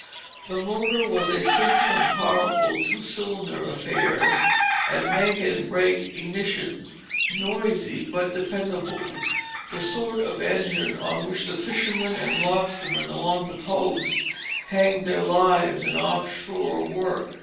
The motor was a simple and powerful two cylinder affair, with make and break ignition, noisy, but dependable; the sort of engine on which the fishermen and lobstermen along the coast hang their lives in offshore work.